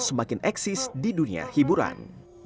semakin eksis di dunia hiburan